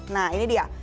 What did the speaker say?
nah ini dia